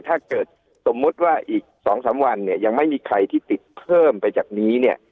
ถ้าเกิดสมมุติว่าอีก๒๓วันเนี่ยยังไม่มีใครที่ติดเพิ่มไปจากนี้เนี่ย